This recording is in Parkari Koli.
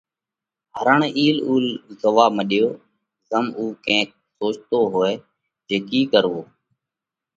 هرڻ اِيل اُول زوئا مڏيو، زم اُو ڪينڪ سوچتو هوئہ جي ڪِي ڪروو